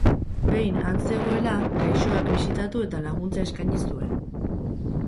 Behin han zegoela, gaixoak bisitatu eta laguntza eskaini zuen.